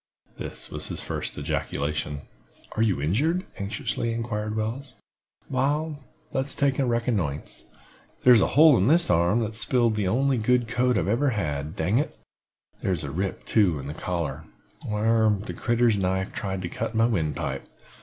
This was his first ejaculation. "Are you injured?" anxiously inquired Wells. "Wal, let's take a reconnoissance. Here's a hole in this arm, that's sp'iled the only good coat I ever had, dang it! Here's a rip, too, in the collar, whar that critter's knife tried to cut my windpipe.